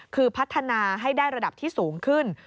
คือพัฒนาให้ได้ระดับที่สูงขึ้น